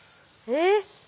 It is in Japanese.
えっ。